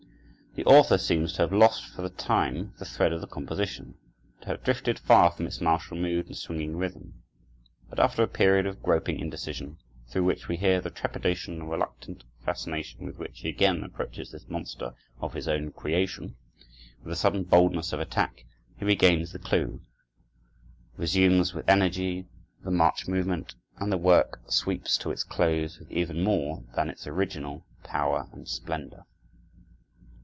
The author seems to have lost for the time the thread of the composition, to have drifted far from its martial mood and swinging rhythm, but after a period of groping indecision, through which we hear the trepidation and reluctant fascination with which he again approaches this monster of his own creation, with a sudden boldness of attack he regains the clew, resumes with energy the march movement, and the work sweeps to its close with even more than its original power and splendor.